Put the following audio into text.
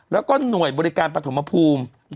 แล้วก็หน่วยบริการปฐมภูมิ